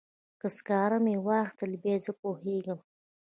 که سکاره مې واخیستل بیا زه پوهیږم.